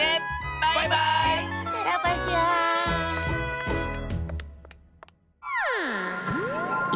バイバーイ！